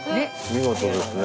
見事ですね